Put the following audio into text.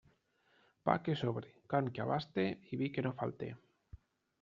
Pa que sobre, carn que abaste i vi que no falte.